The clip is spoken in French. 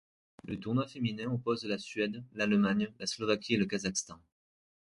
Le tournoi féminin oppose la Suède, l'Allemagne, la Slovaquie et le Kazakhstan.